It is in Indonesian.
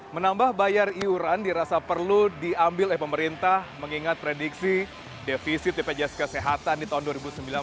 menambah bayar iuran dirasa perlu diambil oleh pemerintah mengingat prediksi defisit bpjs kesehatan di tahun dua ribu sembilan belas